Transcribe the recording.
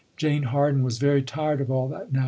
Jane Harden was very tired of all that now.